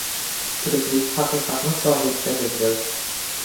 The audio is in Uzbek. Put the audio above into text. — Tiriklik haqiqatini sog‘likda, deb bil.